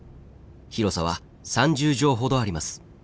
広さは３０畳ほどあります。